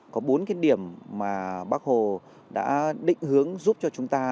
có bốn cái điểm mà bác hồ đã định hướng giúp cho chúng ta